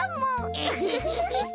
ウフフフフフ。